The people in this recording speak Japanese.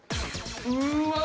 うわ！